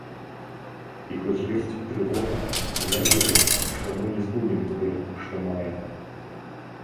І хоць ёсць трывога, я веру, што мы не згубім тое, што маем.